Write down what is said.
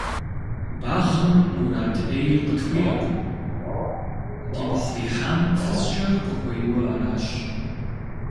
Багъым мурад Ӏей къытхуиӀэкъым, дипхъу ихьам фызкӀэ къыхуейуэ аращ.